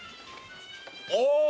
ああ。